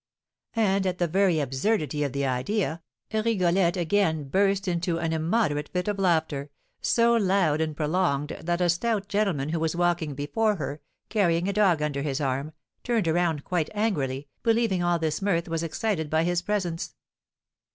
And, at the very absurdity of the idea, Rigolette again burst into an immoderate fit of laughter, so loud and prolonged that a stout gentleman who was walking before her, carrying a dog under his arm, turned around quite angrily, believing all this mirth was excited by his presence.